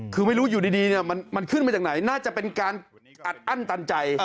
คือไม่รู้อยู่ดีมันขึ้นมาจากไหนน่าจะเป็นการอัดอั้นตันใจ